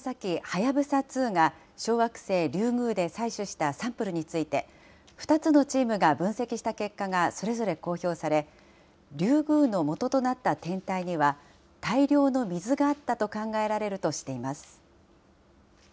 はやぶさ２が、小惑星リュウグウで採取したサンプルについて、２つのチームが分析した結果がそれぞれ公表され、リュウグウの元となった天体には大量の水があったと考えられるとしています。